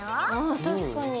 あ確かに。